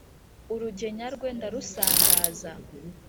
urugenya rwe ndarusandaza